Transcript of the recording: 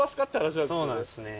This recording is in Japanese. そうなんですね。